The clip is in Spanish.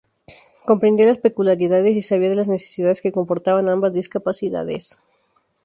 Comprendía las peculiaridades y sabía de las necesidades que comportaban ambas discapacidades.